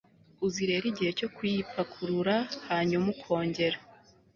uzi rero igihe cyo kuyipakurura, hanyuma ukongera